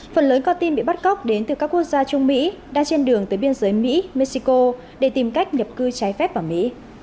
phần lớn con tin bị bắt cóc đến từ các quốc gia trung mỹ đang trên đường tới biên giới mỹ mexico để tìm cách nhập cư trái phép vào mỹ